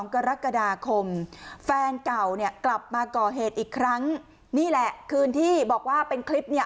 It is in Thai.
กรกฎาคมแฟนเก่าเนี่ยกลับมาก่อเหตุอีกครั้งนี่แหละคืนที่บอกว่าเป็นคลิปเนี่ย